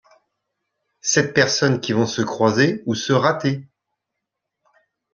Sept personnes qui vont se croiser, ou se rater.